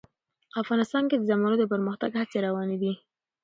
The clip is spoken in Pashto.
افغانستان کې د زمرد د پرمختګ هڅې روانې دي.